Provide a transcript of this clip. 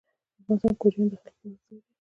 افغانستان کې کوچیان د خلکو د خوښې وړ ځای دی.